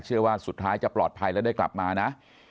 เชื่อว่าสุดท้ายจะปลอดภัยและได้กลับมานะ